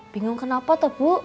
bingung kenapa tuh bu